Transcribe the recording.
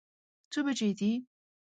څو بجې دي؟